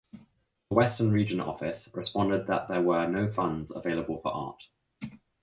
The Western Region Office responded that there were no funds available for art.